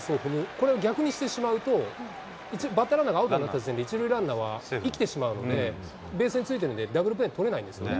これを逆にしてしまうと、バッターランナーがアウトになった時点で、１塁ランナーは生きてしまうので、ベースについてなくて、ダブルプレー取れないんですよね。